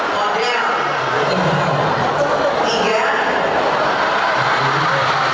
jadi yang pertama ada yang satu ume ume